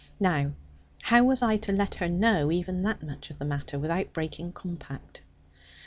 Now how was I to let her know even that much of the matter, without breaking compact?